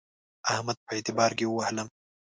احمد په اعتبار کې ووهلم.